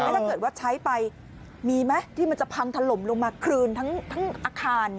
ถ้าเกิดว่าใช้ไปมีไหมที่มันจะพังถล่มลงมาคลืนทั้งอาคาร